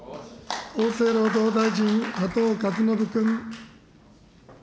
厚生労働大臣、加藤勝信君。